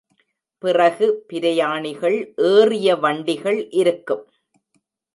பிறகு பிரயாணிகள் ஏறிய வண்டிகள் இருக்கும்.